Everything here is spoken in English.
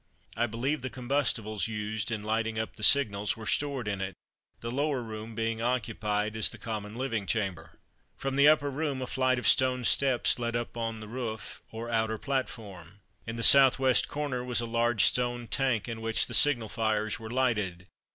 I believe the combustibles used in lighting up the signals were stored in it, the lower room being occupied as the common living chamber. From the upper room a flight of stone steps led upon the roof or outer platform. In the south west corner was a large stone tank in which the signal fires were lighted.